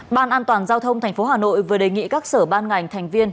ban an toàn giao thông tp hà nội vừa đề nghị các sở ban ngành thành viên